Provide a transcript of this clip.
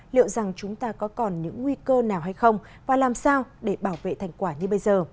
liệu rằng chúng ta có còn những nguy cơ nào hay không và làm sao để bảo vệ thành quả như bây giờ